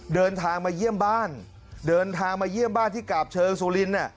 เดินทางมาเยี่ยมบ้านที่กราบเชิงสุรินทร์